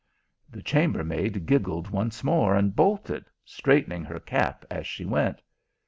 The chambermaid giggled once more and bolted, straightening her cap as she went.